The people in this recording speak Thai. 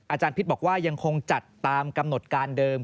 อาจารย์พิษบอกว่ายังคงจัดตามกำหนดการเดิม